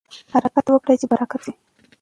حرکت وکړئ چې برکت وشي.